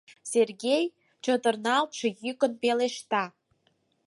— Сергей чытырналтше йӱкын пелешта.